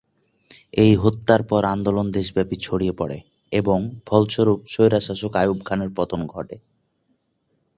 এই হত্যার পর আন্দোলন দেশব্যাপী ছড়িয়ে পড়ে এবং ফলস্বরূপ স্বৈরশাসক আইয়ুব খানের পতন ঘটে।